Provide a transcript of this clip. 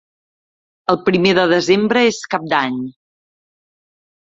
El primer de desembre és Cap d'Any.